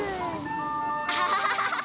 アハハハハ！